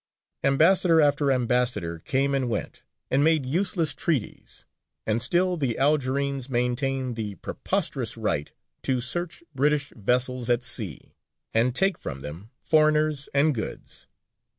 Ambassador after ambassador came and went, and made useless treaties, and still the Algerines maintained the preposterous right to search British vessels at sea, and take from them foreigners and goods.